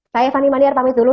saya fanny maniar pamit dulu